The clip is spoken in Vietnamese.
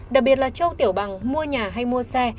đặc biệt là châu tiểu bằng mua nhà hay mua xe